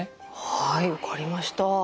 はい分かりました。